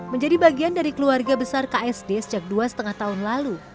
menjadi bagian dari keluarga besar ksd sejak dua lima tahun lalu